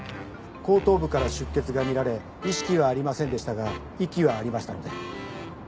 後頭部から出血が見られ意識はありませんでしたが息はありましたので。